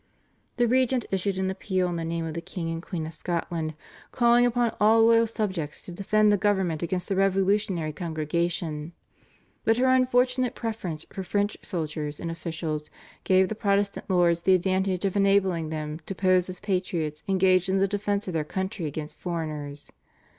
The regent issued an appeal in the name of the king and queen of Scotland calling upon all loyal subjects to defend the government against the revolutionary Congregation, but her unfortunate preference for French soldiers and officials gave the Protestant lords the advantage of enabling them to pose as patriots engaged in the defence of their country against foreigners.